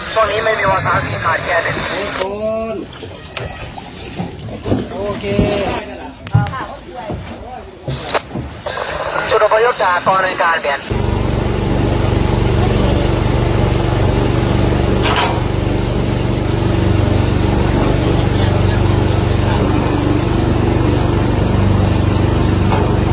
สวัสดีครับ